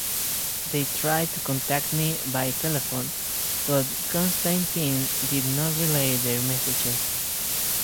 They tried to contact me by telephone but Constantin did not relay their messages.